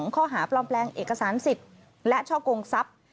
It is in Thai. ข้อหาปลอมแปลงเอกสารสิทธิ์และช่อกงทรัพย์